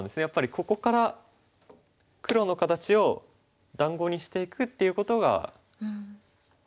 やっぱりここから黒の形を団子にしていくっていうことが大事でしたね。